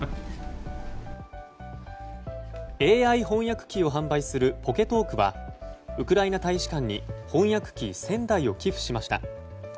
ＡＩ翻訳機を販売するポケトークはウクライナ大使館に翻訳機１０００台を寄付しました。